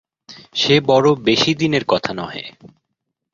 সে বড়ো বেশি দিনের কথা নহে।